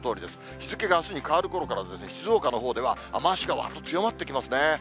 日付があすに変わるころから、静岡のほうでは、雨足がうわーっと強まってきますね。